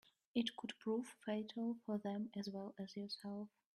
It could prove fatal for them as well as yourself.